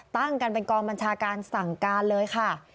ตั้งกันเป็นกองบัญชาการสั่งการเลยค่ะ